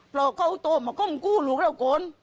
เพราะเขาโตมาก้มกู้ลูกแล้วก่อน